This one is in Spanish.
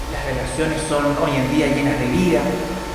Las relaciones son hoy en día llenas de vida.